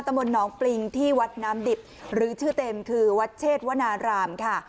มนต์น้องปริงที่วัดน้ำดิบหรือชื่อเต็มคือวัดเชษวนารามค่ะ